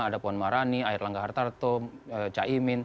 ada puan marani air langga hartarto caimin